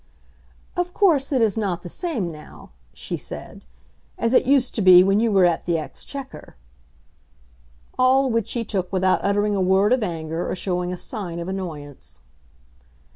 "Of course it is not the same now," she said, "as it used to be when you were at the Exchequer." All which he took without uttering a word of anger, or showing a sign of annoyance.